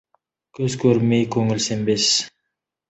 Көз көрмей, көңіл сенбес.